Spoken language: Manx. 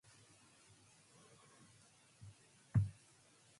As myr v'eh goll, skeayll ad nyn eaddagh er y raad.